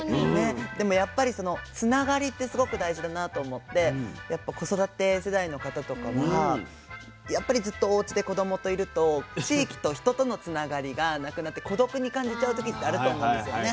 でもやっぱりそのつながりってすごく大事だなと思って子育て世代の方とかはやっぱりずっとおうちで子どもといると地域と人とのつながりがなくなって孤独に感じちゃう時ってあると思うんですよね。